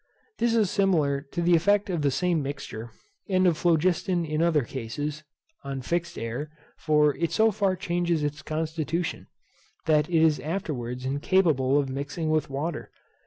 This is similar to the effect of the same mixture, and of phlogiston in other cases, on fixed air; for it so far changes its constitution, that it is afterwards incapable of mixing with water.